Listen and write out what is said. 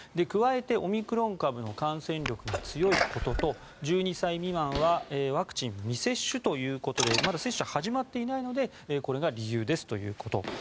加えて、オミクロン株の感染力が強いことと１２歳未満はワクチン未接種ということでまだ接種が始まっていないのでこれが理由ですということ。